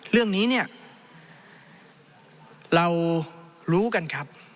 เรื่องนี้เนี่ยเรารู้กันครับ